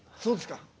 そうですか。